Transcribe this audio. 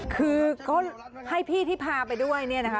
คือก็ให้พี่ที่พาไปด้วยเนี่ยนะคะ